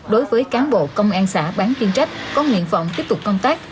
đối với cán bộ công an xã bán kiên trách có nguyện phòng tiếp tục công tác